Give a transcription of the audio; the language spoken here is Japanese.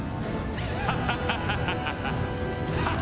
ハハハハハッ！